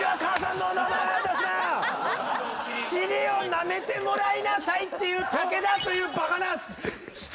「尻をなめてもらいなさい」っていう武田というバカな人。